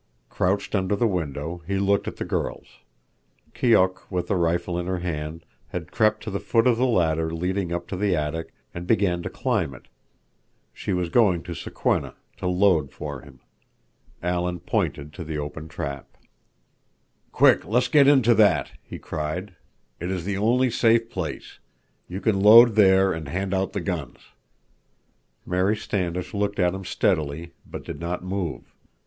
Crouched under the window, he looked at the girls. Keok, with a rifle in her hand, had crept to the foot of the ladder leading up to the attic, and began to climb it. She was going to Sokwenna, to load for him. Alan pointed to the open trap. "Quick, get into that!" he cried. "It is the only safe place. You can load there and hand out the guns." Mary Standish looked at him steadily, but did not move.